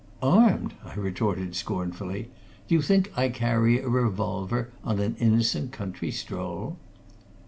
"Armed!" I retorted scornfully. "Do you think I carry a revolver on an innocent country stroll?"